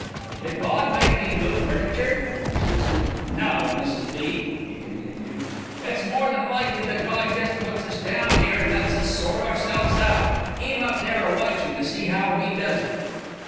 "Did Gawd make me to move furniture?" he persisted. "No, Mrs. B.," he continued. "It's more than likely that Gawd jest puts us down 'ere an' lets us sort ourselves out, 'Im up there a watchin' to see 'ow we does it."